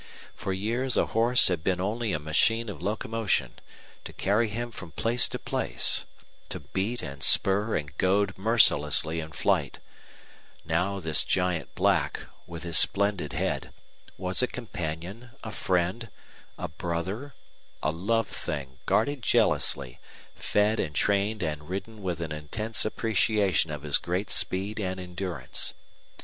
For years a horse had been only a machine of locomotion, to carry him from place to place, to beat and spur and goad mercilessly in flight; now this giant black, with his splendid head, was a companion, a friend, a brother, a loved thing, guarded jealously, fed and trained and ridden with an intense appreciation of his great speed and endurance.